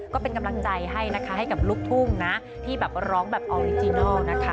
ก็เป็นกำลังใจให้นะคะให้กับลูกทุ่งนะที่แบบร้องแบบออริจินัลนะคะ